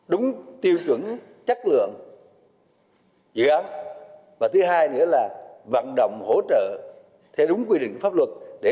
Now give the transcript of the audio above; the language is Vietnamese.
đúng tiêu chuẩn chất lượng dự án và thứ hai nữa là vận động hỗ trợ theo đúng quy định của pháp luật